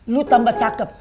lu tambah cakep